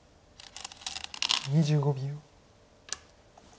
２５秒。